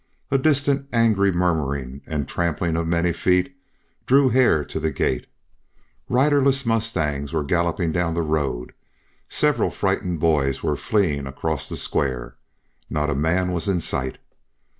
A distant angry murmuring and trampling of many feet drew Hare to the gate. Riderless mustangs were galloping down the road; several frightened boys were fleeing across the square; not a man was in sight.